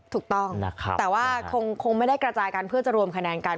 ถูกต้องนะครับแต่ว่าคงไม่ได้กระจายกันเพื่อจะรวมคะแนนกัน